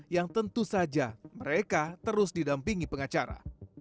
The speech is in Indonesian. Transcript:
yang tentu saja mereka terus didampingi pengacara